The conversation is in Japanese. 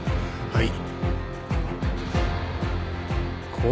はい。